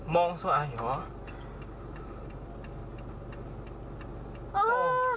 มองสว่ายเหรอ